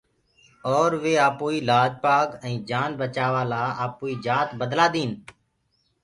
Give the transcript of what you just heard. اورَ وي آپوڪيٚ لآج پآگ ائينٚ جآن بچآوآ لآ آپوئيٚ جآت بدلآ ديٚن۔